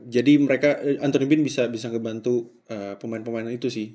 jadi mereka anthony bean bisa ngebantu pemain pemain itu sih